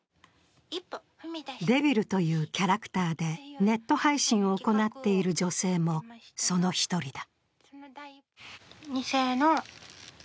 ＤＥＶＩＬというキャクターでネット配信を行っている女性もその一人だ。